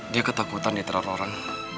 dia ketakutan diteror oran